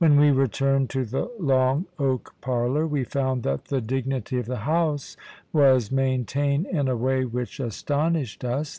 When we returned to the long oak parlour, we found that the dignity of the house was maintained in a way which astonished us.